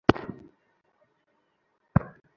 তোকে বের করে দিলে কি হবে বুঝতে পারছিস?